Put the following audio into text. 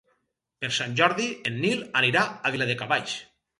Per Sant Jordi en Nil anirà a Viladecavalls.